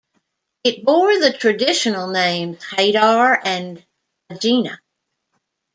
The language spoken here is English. It bore the traditional names "Hadar" and "Agena".